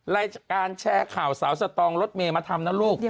รายการแชร์ข่าวสาวสตองรถเมย์มาทำนะลูก